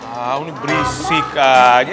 ah ini berisik aja